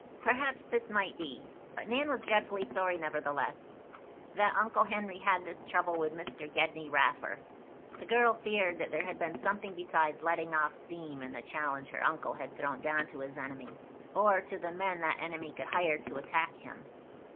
Perhaps this might be; but Nan was dreadfully sorry, nevertheless, that Uncle Henry had this trouble with Mr. Gedney Raffer. The girl feared that there had been something besides "letting off steam" in the challenge her uncle had thrown down to his enemy, or to the men that enemy could hire to attack him.